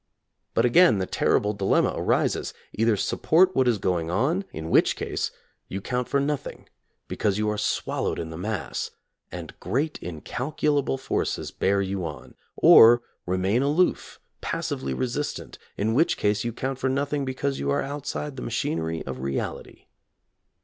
But again the terrible dilemma arises, — either support what is going on, in which case you count for nothing because you are swallowed in the mass and great incalculable forces bear you on ; or remain aloof, passively resistant, in which case you count for nothing because you are outside the machinery of reality.